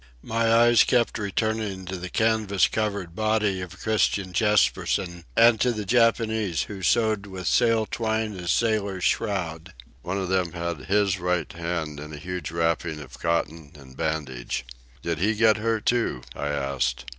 My eyes kept returning to the canvas covered body of Christian Jespersen, and to the Japanese who sewed with sail twine his sailor's shroud. One of them had his right hand in a huge wrapping of cotton and bandage. "Did he get hurt, too?" I asked.